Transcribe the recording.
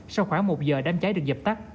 sau khoảng một giờ đám cháy được dập tắt